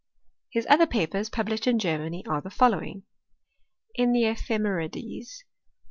His other papers, published in Germany, are the foU » lowing : In the Ephemerides.